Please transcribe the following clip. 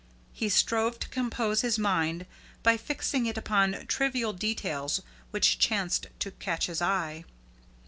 He strove to compose his mind by fixing it upon trivial details which chanced to catch his eye.